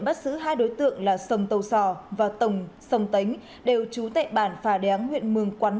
bắt giữ hai đối tượng là sông tâu sò và tồng sông tánh đều trú tại bản phà đáng huyện mường quắn